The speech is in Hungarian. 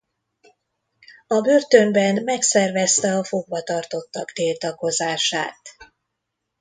A börtönben megszervezte a fogvatartottak tiltakozását.